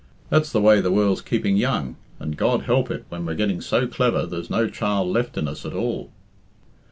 That's the way the world's keeping young, and God help it when we're getting so clever there's no child left in us at all."